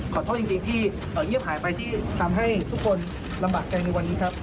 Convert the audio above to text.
ขอโทษจริงที่เงียบหายไปที่ทำให้ทุกคนลำบากใจในวันนี้ครับ